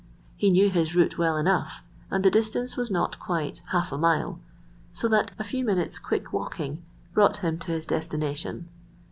He knew his route well enough, and the distance was not quite half a mile, so that a few minutes' quick walking brought him to his destination.